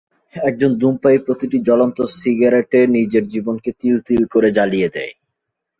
একজন ধূমপায়ী প্রতিটি জ্বলন্ত সিগারেটে নিজের জীবনকে তিল তিল করে জ্বালিয়ে দেয়।